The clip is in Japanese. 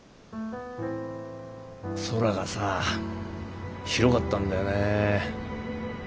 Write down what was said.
空がさ広かったんだよね。